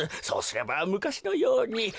そうすればむかしのように。